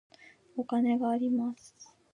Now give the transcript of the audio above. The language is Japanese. お金があります。